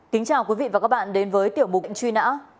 kính chào quý vị và các bạn đến với tiểu mục lệnh truy nã